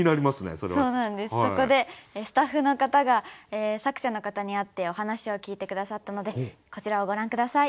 そこでスタッフの方が作者の方に会ってお話を聞いて下さったのでこちらをご覧下さい。